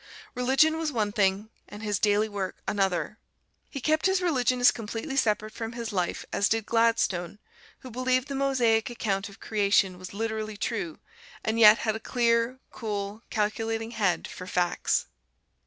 Religion was one thing and his daily work another. He kept his religion as completely separate from his life as did Gladstone, who believed the Mosaic account of Creation was literally true, and yet had a clear, cool, calculating head for facts.